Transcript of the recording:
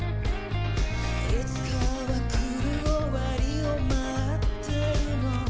「いつかは来る終わりを待ってるの」